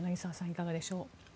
いかがでしょうか？